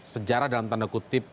sejarah dalam tanda kutip